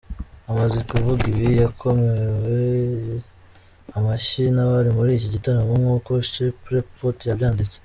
Amaze kuvuga ibi, yakomewe amashyi n’abari muri iki gitaramo nk’uko Chimpreports yabyanditse.